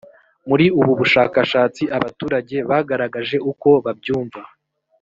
muri ubu bushakashatsi abaturage bagaragaje uko babyumva